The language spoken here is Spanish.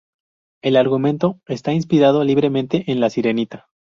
El argumento está inspirado libremente en "La sirenita".